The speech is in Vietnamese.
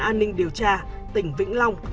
an ninh điều tra tỉnh vĩnh long